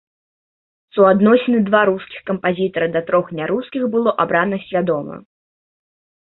Суадносіны два рускіх кампазітара да трох нярускіх было абрана свядома.